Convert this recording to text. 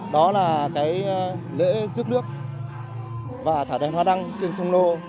đó là cái lễ rước nước và thả đèn hoa đăng trên sông lô